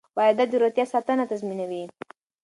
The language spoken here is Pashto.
واردات د روغتیا ساتنه تضمینوي.